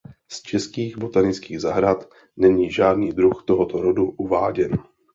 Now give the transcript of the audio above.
Z českých botanických zahrad není žádný druh tohoto rodu uváděn.